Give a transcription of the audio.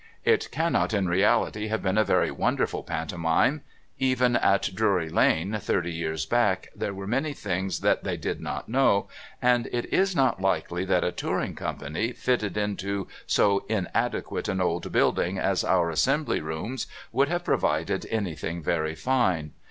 It cannot in reality have been a very wonderful Pantomime. Even at Drury Lane thirty years back there were many things that they did not know, and it is not likely that a touring company fitted into so inadequate an old building as our Assembly Rooms would have provided anything very fine.